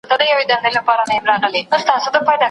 د هغه څېره ډېره خواشینه وه.